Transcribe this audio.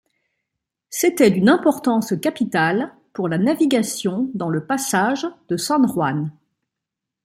C'était d'une importance capitale pour la navigation dans le passage de San Juan.